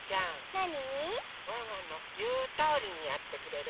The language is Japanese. なに？ワンワンのいうとおりにやってくれる？